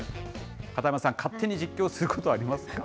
片山さん、勝手に実況することはありますか？